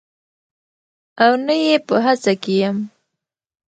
او نه یې په هڅه کې یم